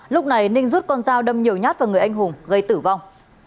lúc này ninh rút con dao đâm nhiều nhát vào người anh hùng gây tử vong